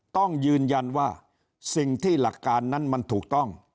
ต้องยืนยันว่าสิ่งที่หลักการนั้นมันถูกต้อง